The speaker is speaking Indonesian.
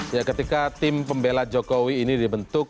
ya ketika tim pembela jokowi ini dibentuk